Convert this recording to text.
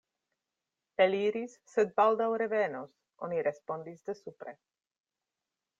Eliris, sed baldaŭ revenos, oni respondis de supre.